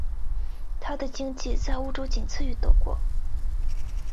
她的经济在欧洲仅次于德国。